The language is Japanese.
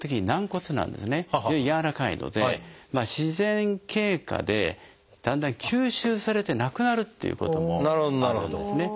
軟らかいので自然経過でだんだん吸収されてなくなるっていうこともあるんですね。